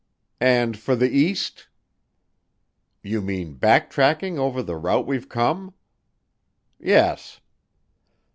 "And for the east?" "You mean back tracking over the route we've come?" "Yes."